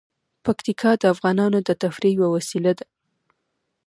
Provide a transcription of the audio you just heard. پکتیکا د افغانانو د تفریح یوه وسیله ده.